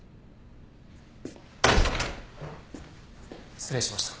失礼しました。